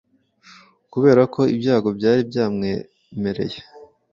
kubera ko ibyago byari byamwemereye